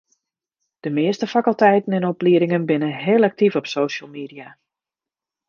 De measte fakulteiten en opliedingen binne hiel aktyf op social media.